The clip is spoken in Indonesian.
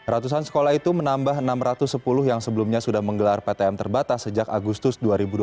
ratusan sekolah itu menambah enam ratus sepuluh yang sebelumnya sudah menggelar ptm terbatas sejak agustus dua ribu dua puluh